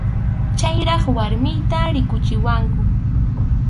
Chayraq warmiyta rikuchiwanku.